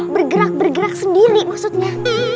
bergerak bergerak sendiri maksudnya